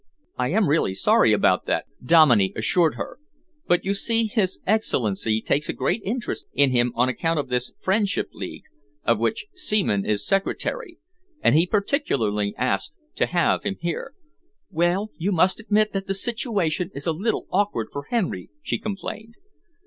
"I am really sorry about that," Dominey assured her, "but you see His Excellency takes a great interest in him on account of this Friendship League, of which Seaman is secretary, and he particularly asked to have him here." "Well, you must admit that the situation is a little awkward for Henry," she complained.